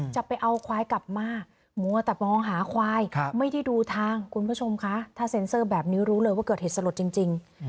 จะเอาควายกลับมามัวแต่มองหาควายไม่ได้ดูทางคุณผู้ชมคะถ้าเซ็นเซอร์แบบนี้รู้เลยว่าเกิดเหตุสลดจริง